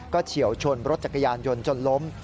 เฉียวชนรถจักรยานยนต์จนล้ม